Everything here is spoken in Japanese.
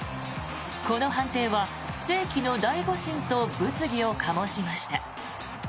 この判定は世紀の大誤審と物議を醸しました。